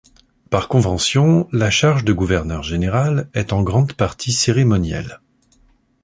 Par convention, la charge de gouverneur général est en grande partie cérémonielle.